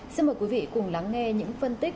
xin mời quý vị cùng lắng nghe những phân tích